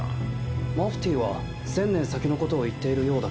マフティーは１０００年先のことを言っているようだけど？